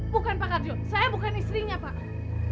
bukan pak karjo saya bukan istrinya pak